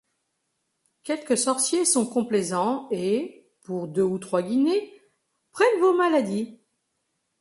Quelques sorciers sont complaisants, et, pour deux ou trois guinées, prennent vos maladies.